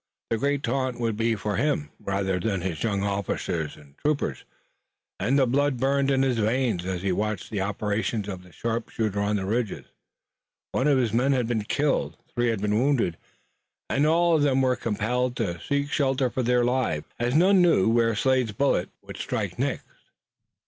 The great taunt would be for him rather than his young officers and troopers, and the blood burned in his veins as he watched the operations of the sharpshooter on the ridges. One of his men had been killed, three had been wounded, and all of them were compelled to seek shelter for their lives as none knew where Slade's bullet would strike next.